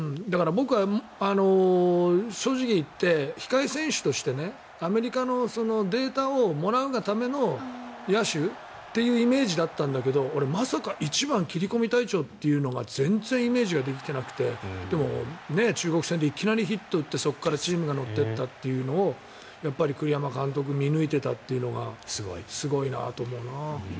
僕は正直言って控え選手としてアメリカのデータをもらうがための野手というイメージだったんだけどまさか、俺１番、切り込み隊長というのが全然イメージができていなくてでも、中国戦でいきなりヒットを打ってそこからチームが乗っていったっていうのを栗山監督見抜いていたというのがすごいなと思うな。